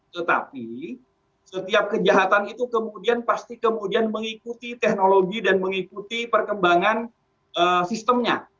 tetapi setiap kejahatan itu kemudian pasti kemudian mengikuti teknologi dan mengikuti perkembangan sistemnya